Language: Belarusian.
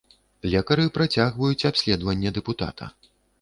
Лекары працягваюць абследаванне дэпутата.